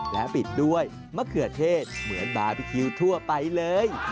และปิดด้วยมะเขือเทศเหมือนบาร์บีคิวทั่วไปเลย